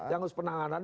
yang harus penanganannya